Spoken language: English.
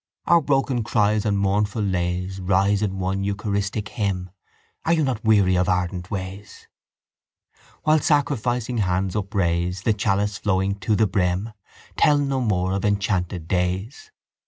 Our broken cries and mournful lays Rise in one eucharistic hymn. Are you not weary of ardent ways? While sacrificing hands upraise The chalice flowing to the brim. Tell no more of enchanted days.